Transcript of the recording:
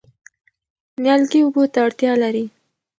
نیالګي اوبو ته اړتیا لري.